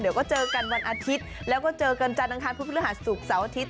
เดี๋ยวก็เจอกันวันอาทิตย์แล้วก็เจอกันจันทร์อังคารพุธพฤหัสศุกร์เสาร์อาทิตย